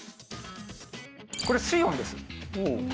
これ水温です。